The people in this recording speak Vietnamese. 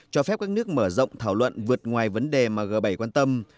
cho phép các nước mở rộng thảo luận vượt ngoài vấn đề mà g bảy quan tâm